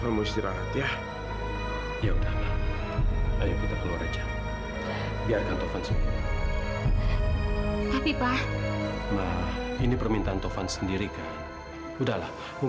edo udah tau semuanya dulu